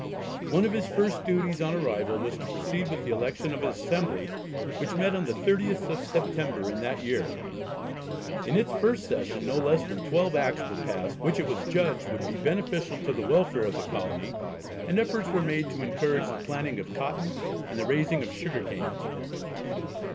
One of his first duties on arrival was to proceed with the election of an Assembly, which met on the 30th of September in that year. In its first session no less than twelve Acts were passed which it was judged would be beneficial to the welfare of the colony, and efforts were made to encourage the planting of cotton and the raising of sugar canes.